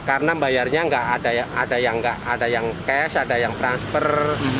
karena bayarnya nggak ada yang cash ada yang transfer